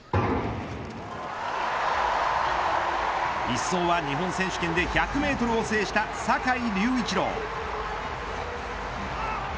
１走は日本選手権で１００メートルを制した坂井隆一郎。